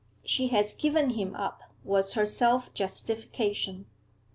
'She has given him up,' was her self justification.